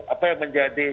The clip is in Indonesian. apa yang menjadi